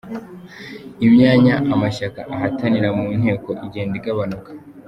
imyanya amashyaka ahatanira mu nteko igenda igabanyuka